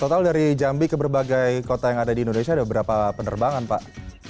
total dari jambi ke berbagai kota yang ada di indonesia ada berapa penerbangan pak